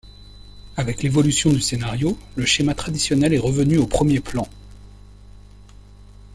Avec l'évolution du scénario, le schéma traditionnel est revenu au premier plan.